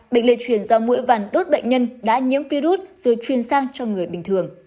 bệnh lệ truyền do mũi vằn đốt bệnh nhân đã nhiễm virus rồi chuyên sang cho người bình thường